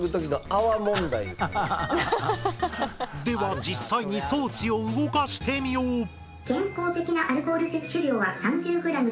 では実際に装置を動かしてみよう！